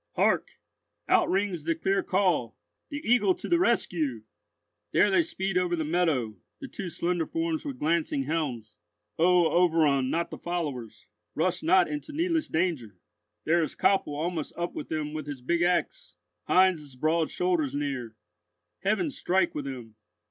Hark! Out rings the clear call, "The Eagle to the rescue!" There they speed over the meadow, the two slender forms with glancing helms! O overrun not the followers, rush not into needless danger! There is Koppel almost up with them with his big axe—Heinz's broad shoulders near. Heaven strike with them!